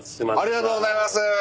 ありがとうございます。